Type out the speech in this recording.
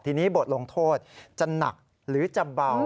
ทีนี้บทลงโทษจะหนักหรือจะเบา